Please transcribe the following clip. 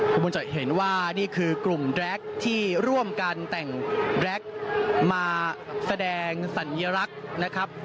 คุณผู้ชมจะเห็นว่านี่คือกลุ่มแรกที่ร่วมกันแต่งแร็กมาแสดงสัญลักษณ์นะครับ